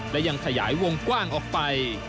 และยังขยายวงกว้างออกไป